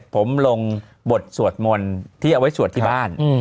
ผมลงบทสวดมนต์ที่เอาไว้สวดที่บ้าน